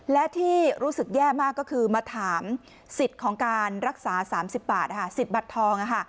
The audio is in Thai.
และที่รู้สึกแย่มากก็คือมาถามสิทธิ์ของการรักษา๓๐บาทสิทธิ์บัตรทอง